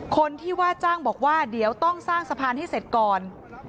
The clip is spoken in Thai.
คนที่ว่าจ้างบอกว่าเดี๋ยวต้องสร้างสะพานให้เสร็จก่อน